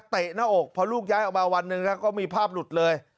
หน้าอกพอลูกย้ายออกมาวันหนึ่งก็มีภาพหลุดเลย